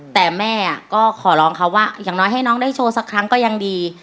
แต่แม่ก็ขอร้องเขาว่าอย่างน้อยให้น้องได้โชว์สักครั้งก็ยังดี